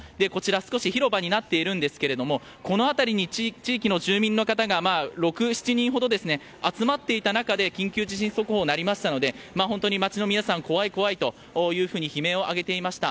少し広場になっているんですがこの辺りに地域の住民の方が６７人ほど集まっていた中で緊急地震速報が鳴りましたので街の皆さん、怖い怖いと悲鳴を上げていました。